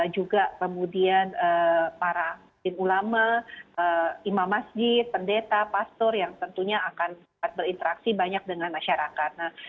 juga kemudian paradin ulama imam masjid pendeta pastor yang tentunya akan berinteraksi banyak dengan masyarakat